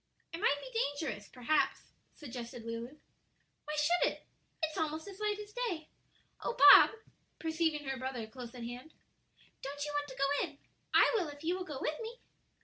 "It might be dangerous, perhaps," suggested Lulu. "Why should it?" said Betty; "it's almost as light as day. Oh, Bob," perceiving her brother close at hand, "don't you want to go in? I will if you will go with me."